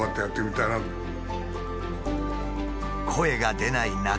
声が出ない中